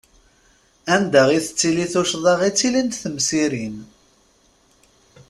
Anda i tettili tuccḍa i ttilint temsirin!